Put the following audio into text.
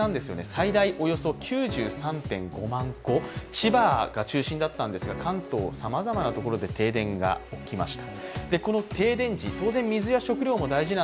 千葉が中心だったんですが、関東、さまざまなところで停電が起きました。